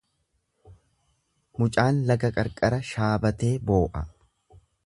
Mucaan laga qarqara shaabatee boo'a.